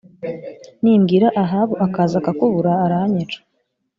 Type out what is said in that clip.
nimbwira ahabu akaza akakubura aranyica